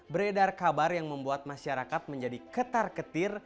beredar kabar yang membuat masyarakat menjadi ketar ketir